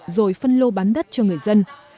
rồi phân lô bán đất cho người dân